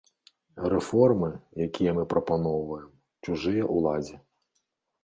Рэформы, якія мы прапаноўваем, чужыя ўладзе.